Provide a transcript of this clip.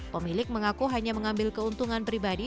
pemilik mengaku hanya mengambil keuntungan pribadi